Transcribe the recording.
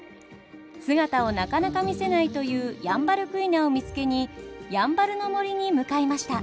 姿をなかなか見せないというヤンバルクイナを見つけにやんばるの森に向かいました。